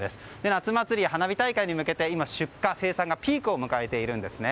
夏祭りや花火大会に向けて今出荷や生産がピークを迎えています。